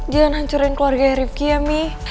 jangan hancurin keluarga rifki ya mi